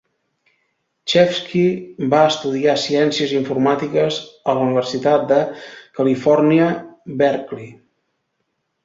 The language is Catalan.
Chevsky va estudiar Ciències informàtiques a la Universitat de Califòrnia Berkeley.